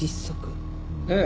ええ。